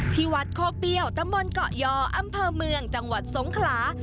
ที่วัดโคกเปรี้ยวตำบลเกาะยออำเภอเมืองจังหวัดสงขลา